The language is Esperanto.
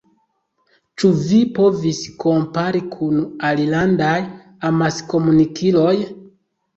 Ĉu vi povis kompari kun alilandaj amaskomunikiloj?